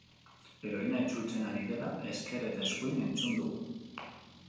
Heroina itzultzen ari dela ezker eta eskuin entzun dugu.